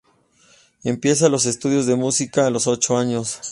Empieza los estudios de Música a los ocho años.